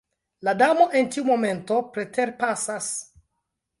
La Damo en tiu momento preterpasas.